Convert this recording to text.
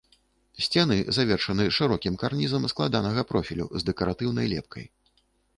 Сцены завершаны шырокім карнізам складанага профілю з дэкаратыўнай лепкай.